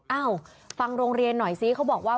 เอ้าฟังโรงเรียนหน่อยซิเขาบอกว่า